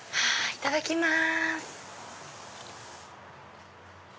いただきます。